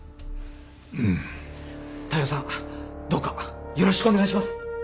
大陽さんどうかよろしくお願いします！